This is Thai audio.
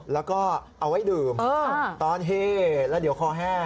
แล้วก็เอาไว้ดื่มตอนเฮ่แล้วเดี๋ยวคอแห้ง